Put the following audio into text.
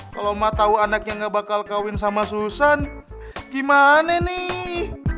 kalau mah tahu anaknya gak bakal kawin sama susan gimana nih